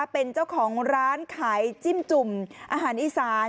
เป็นเจ้าของร้านขายจิ้มจุ่มอาหารอีสาน